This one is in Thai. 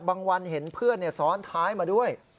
วันเห็นเพื่อนซ้อนท้ายมาด้วย